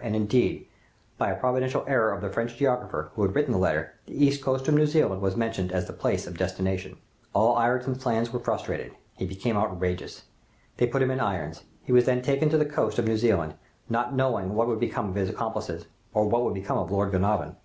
And indeed, by a providential error of the French geographer, who had written the letter, the east coast of New Zealand was mentioned as the place of destination. "All Ayrton's plans were frustrated! He became outrageous. They put him in irons. He was then taken to the coast of New Zealand, not knowing what would become of his accomplices, or what would become of Lord Glenarvan.